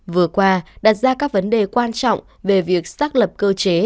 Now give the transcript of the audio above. vừa qua đặt ra các vấn đề quan trọng về việc xác lập cơ chế